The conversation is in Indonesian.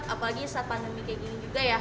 apalagi saat pandemi kayak gini juga ya